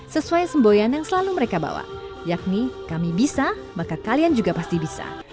sesuai semboyan yang selalu mereka bawa yakni kami bisa maka kalian juga pasti bisa